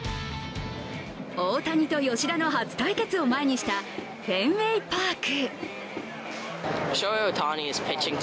大谷と吉田の初対決を前にしたフェンウェイ・パーク。